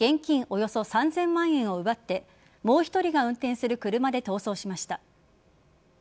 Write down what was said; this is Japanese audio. およそ３０００万円を奪ってもう１人が運転する車で逃走しました。